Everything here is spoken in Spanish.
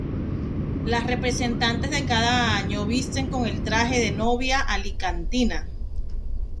Las representantes de cada año visten con el traje de novia alicantina.